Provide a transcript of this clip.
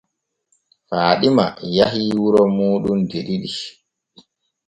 Faaɗima yahii wuro muuɗum de ɗiɗi.